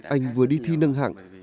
anh vừa đi thi nâng hạng